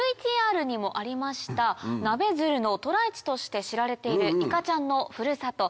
ＶＴＲにもありましたナベヅルの渡来地として知られているいかちゃんのふるさと